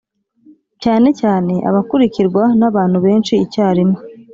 cyane cyane abakurikirwa n’abantu benshi icyarimwe,